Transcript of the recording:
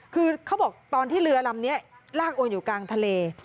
คือเขาบอกตอนที่เรือลำนี้ลากโอนอยู่กลางทะเล